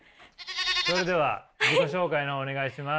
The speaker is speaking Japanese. それでは自己紹介の方お願いします。